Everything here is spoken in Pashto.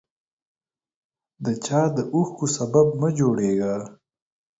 د چا د اوښکو سبب مه جوړیږه